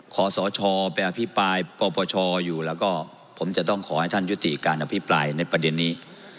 ขอสชไปอภิปรายปปชอยู่แล้วก็ผมจะต้องขอให้ท่านยุติการอภิปรายในประเด็นนี้